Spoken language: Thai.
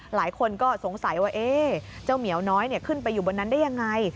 หลายคนก็สงสัยว่าเจ้าเหมียวน้อยขึ้นไปอยู่บนนั้นได้ยังไง